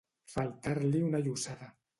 Faltar-li una llossada.